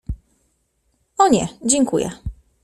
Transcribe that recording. — O nie, dziękuję.